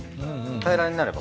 平らになれば。